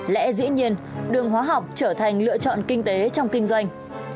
lẽ dĩ nhiên đường hóa học trở thành lựa chọn kinh tế trong kinh doanh